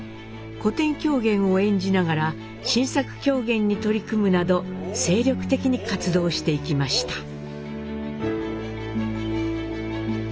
古典狂言を演じながら新作狂言に取り組むなど精力的に活動していきました。